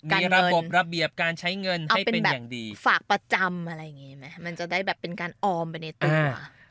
ระบบระเบียบการใช้เงินเอาเป็นแบบฝากประจำอะไรอย่างนี้ไหมมันจะได้แบบเป็นการออมไปในตัว